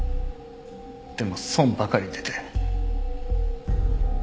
でも損ばかり出て。